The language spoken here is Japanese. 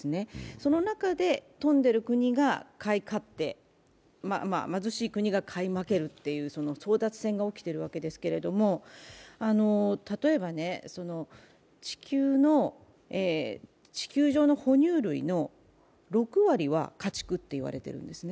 その中で富んでいる国が買い勝って、貧しい国が買い負けるという争奪戦が起きているわけですが、例えば地球上の哺乳類の６割は家畜と言われているんですね